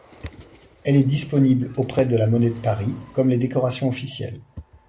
Elle est disponible auprès de la monnaie de Paris, comme les décorations officielles.